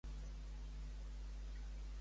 En quines modalitats ha quedat primera d'Espanya?